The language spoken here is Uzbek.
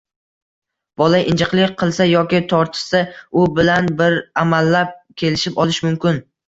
Bola injiqlik qilsa yoki tortishsa, u bilan bir amallab kelishib olish mumkin.